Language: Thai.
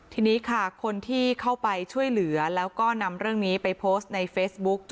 ทีนี้ค่ะคนที่เข้าไปช่วยเหลือแล้วก็นำเรื่องนี้ไปโพสต์ในเฟซบุ๊ก